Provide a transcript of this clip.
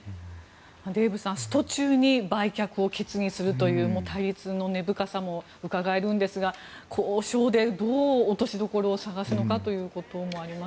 デーブさんスト中に売却を決議するという対立の根深さもうかがえるんですが交渉でどう落としどころを探すのかというところもあります。